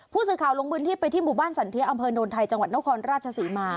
ผู้สื่อข่าวลงพื้นที่ไปที่หมู่บ้านสันเทียอำเภอโนนไทยจังหวัดนครราชศรีมา